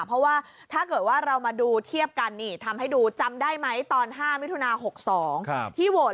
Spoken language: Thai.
เพราะว่าถ้าเกิดว่าเรามาดูเทียบกันนี่ทำให้ดูจำได้ไหมตอน๕มิถุนา๖๒ที่โหวต